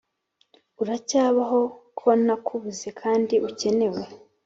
Uracyabaho ko nakubuze kandi ukenewe